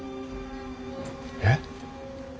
えっ。